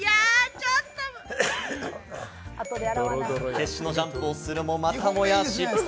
決死のジャンプをするも、またもや失敗！